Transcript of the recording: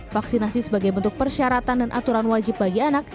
vaksinasi sebagai bentuk persyaratan dan aturan wajib bagi anak